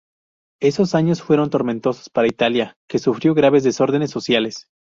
Esos años fueron tormentosos para Italia, que sufrió graves desórdenes sociales.